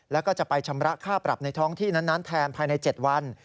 แล้วก็จะไปชำระค่าปรับในท้องที่นั้นแทนภายใน๗วัน